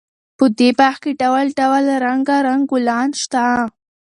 په دې باغ کې ډول ډول رنګارنګ ګلان شته.